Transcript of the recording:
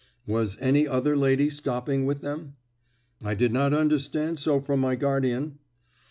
"Was any other lady stopping with them?" "I did not understand so from my guardian."